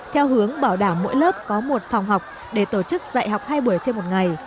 theo hướng bảo đảm mỗi lớp có một phòng học để tổ chức dạy học hai buổi trên một ngày